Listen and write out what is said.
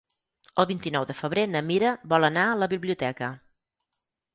El vint-i-nou de febrer na Mira vol anar a la biblioteca.